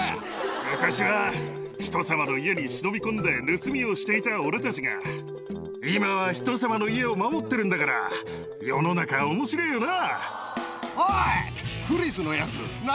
昔は人様の家に忍び込んで盗みをしていた俺たちが、今は人様の家を守ってるんだから、世の中おもしれぇよな。